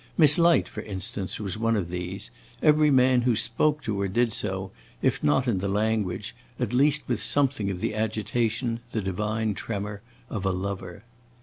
Miss Light, for instance, was one of these; every man who spoke to her did so, if not in the language, at least with something of the agitation, the divine tremor, of a lover.